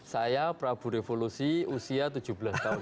saya prabu revolusi usia tujuh belas tahun